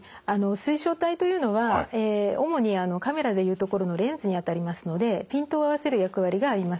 水晶体というのは主にカメラで言うところのレンズにあたりますのでピントを合わせる役割があります。